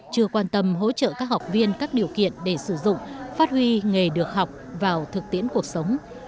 chưa quan tâm hỗ trợ các học viên các điều kiện để sử dụng phát huy nghề được học vào thực tiễn cuộc sống